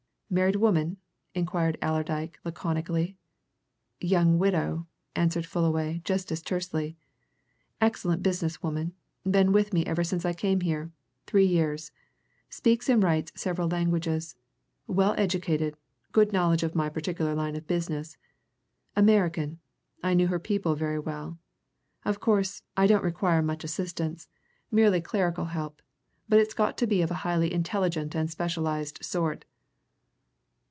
"Married woman?" inquired Allerdyke laconically. "Young widow," answered Fullaway just as tersely. "Excellent business woman been with me ever since I came here three years. Speaks and writes several languages well educated, good knowledge of my particular line of business. American I knew her people very well. Of course, I don't require much assistance merely clerical help, but it's got to be of a highly intelligent and specialized sort."